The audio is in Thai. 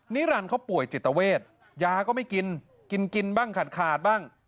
นิรันดิเขาป่วยจิตเวทยาก็ไม่กินกินบ้างขาดขาดบ้าง